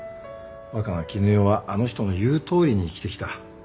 若菜絹代はあの人の言うとおりに生きてきた。